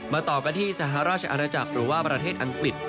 ต่อกันที่สหราชอาณาจักรหรือว่าประเทศอังกฤษ